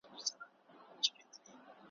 که په برخه یې د ښکار غوښي نعمت وو ,